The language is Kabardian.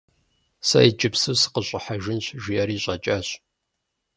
- Сэ иджыпсту сыкъыщӀыхьэжынщ, – жиӀэри щӀэкӀащ.